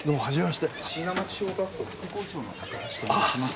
椎名町小学校副校長の高橋と申します。